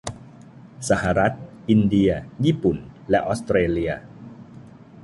สหรัฐ อินเดีย ญี่ปุ่น และออสเตรเลีย